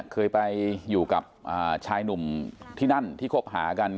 เคยไปอยู่กับชายหนุ่มที่นั่นที่คบหากัน